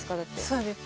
そうです。